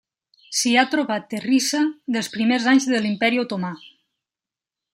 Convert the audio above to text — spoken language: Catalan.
S'hi ha trobat terrissa dels primers anys de l'Imperi otomà.